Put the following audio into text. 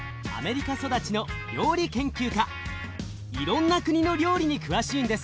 いろんな国の料理に詳しいんです。